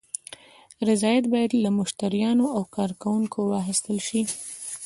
رضایت باید له مشتریانو او کارکوونکو واخیستل شي.